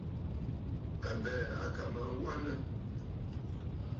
Àbɛ̀ɛ̀ à kà mə aa wanə.